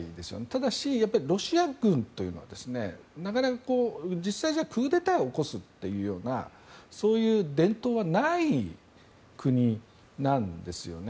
ただし、ロシア軍というのはなかなか実際じゃあクーデターを起こすというようなそういう伝統はない国なんですよね。